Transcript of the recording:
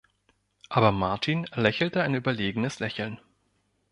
Aber Martin lächelte ein überlegenes Lächeln.